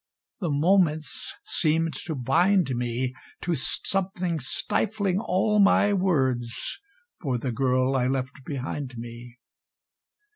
the moments seemed to bind me To something stifling all my words for the Girl I left behind me.